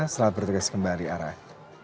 setelah bertugas kembali arah